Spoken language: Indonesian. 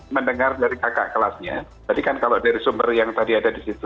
mendengar dari kakak kelasnya tadi kan kalau dari sumber yang tadi ada di situ